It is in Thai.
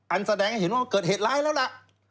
แสดงให้เห็นว่าเกิดเหตุร้ายแล้วล่ะ